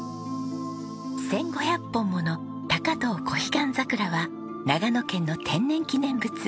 １５００本ものタカトオコヒガンザクラは長野県の天然記念物。